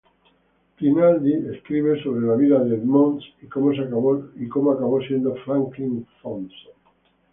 Rinaldi escribe sobre la vida de Edmonds y cómo acabó siendo Franklin Thompson.